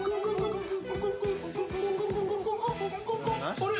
あれ？